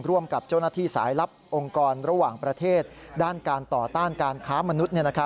ร่วมกับเจ้าหน้าที่สายลับองค์กรระหว่างประเทศด้านการต่อต้านการค้ามนุษย์